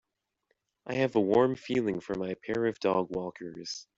I have a warm feeling for my pair of dogwalkers.